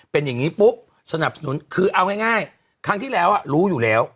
เป็นอย่างนี้ปุ๊บสนับสนุนคือเอาง่ายครั้งที่แล้วรู้อยู่แล้ว